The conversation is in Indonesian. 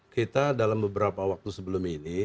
kita dalam beberapa waktu sebelum ini